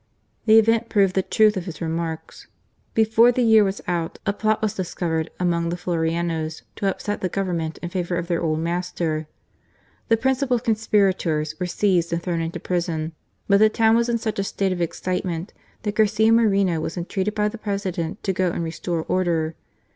The event proved the truth of his remarks. Before the year was out, a plot was discovered among the "Floreanos" to upset the Government in favour of their old master. The principal conspira tors were seized and thrown into prison ; but the town was in such a state of excitement, that Garcia Moreno was entreated by the President to go and restore order.